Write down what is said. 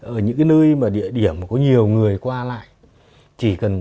ở những nơi địa điểm có nhiều người qua lại